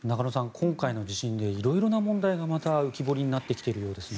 今回の地震で色々な問題がまた浮き彫りになってきているようですね。